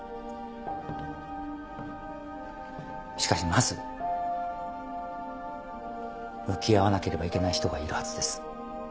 しかしまず向き合わなければいけない人がいるはずです。